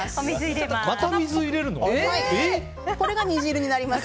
これが煮汁になります。